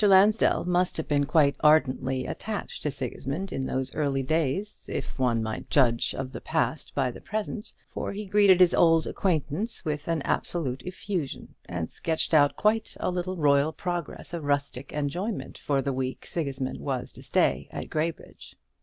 Lansdell must have been quite ardently attached to Sigismund in those early days, if one might judge of the past by the present; for he greeted his old acquaintance with absolute effusion, and sketched out quite a little royal progress of rustic enjoyment for the week Sigismund was to stay at Graybridge.